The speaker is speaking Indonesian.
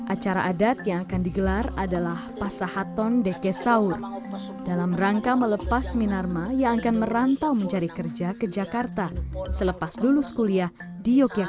acara adat yang akan digelar adalah pasaaton dekesaur dalam rangka melepas minarma yang akan merantau mencari kerja ke jakarta selepas lulus kuliah di yogyakarta